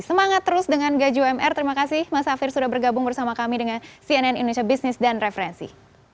semangat terus dengan gaji umr terima kasih mas safir sudah bergabung bersama kami dengan cnn indonesia business dan referensi